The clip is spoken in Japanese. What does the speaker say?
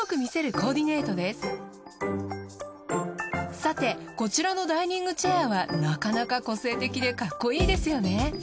さてこちらのダイニングチェアはなかなか個性的でかっこいいですよね。